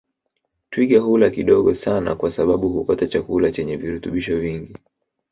Twiga hula kidogo sana kwa sababu hupata chakula chenye virutubisho vingi